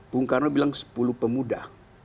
bung karno bilang sepuluh pemuda